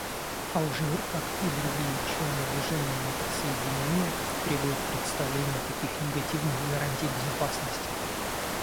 Алжир, как и другие члены Движения неприсоединения, требует предоставления таких негативных гарантий безопасности.